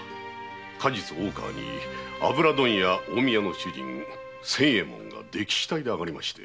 過日大川に油問屋・近江屋の主人仙右衛門が溺死体であがりまして。